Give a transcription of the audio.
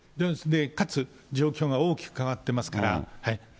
かつ状況が大きく変わってますから。